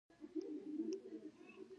پخلی